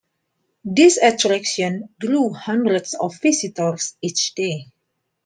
This attraction drew hundreds of visitors each day.